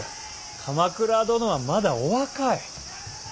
鎌倉殿はまだお若い。